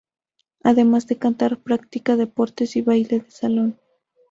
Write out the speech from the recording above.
Además de cantar practica deportes y baile de salón.